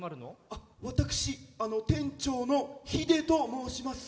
あっ私店長のヒデと申します